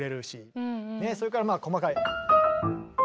それからまあ細かい。